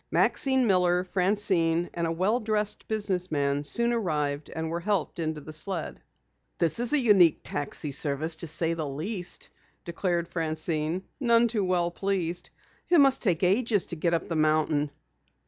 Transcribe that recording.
Maxine Miller, Francine, and a well dressed business man soon arrived and were helped into the sled. "This is unique taxi service to say the least," declared Francine, none too well pleased. "It must take ages to get up the mountain."